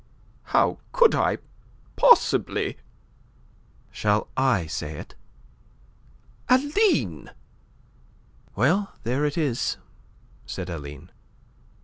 How could I possibly?" "Shall I say it?" "Aline!" "Well, there it is," said Aline.